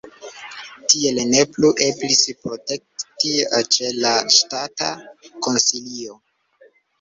Tiel ne plu eblis protesti ĉe la Ŝtata Konsilio.